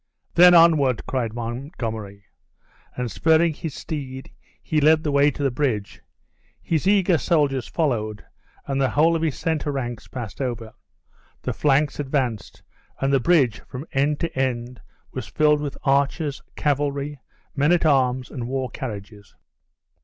"Then onward!" cried Montgomery; and, spurring his steed, he led the way to the bridge; his eager soldiers followed, and the whole of his center ranks passed over. The flanks advanced, and the bridge, from end to end, was filled with archers, cavalry, men at arms, and war carriages.